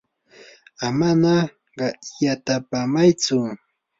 amana yatapamaychu.